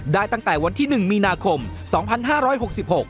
ตั้งแต่วันที่หนึ่งมีนาคมสองพันห้าร้อยหกสิบหก